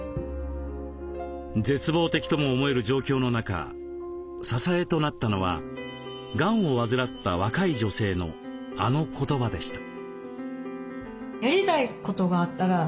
絶望的とも思える状況の中支えとなったのはがんを患った若い女性のあの言葉でした。